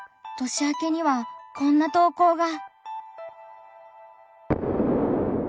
年明けにはこんな投稿が。